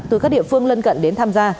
từ các địa phương lân cận đến tham gia